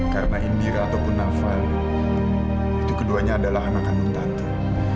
karena indira ataupun nafa itu keduanya adalah anak kandung tante